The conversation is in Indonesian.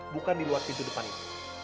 bukan di luar pintu depan itu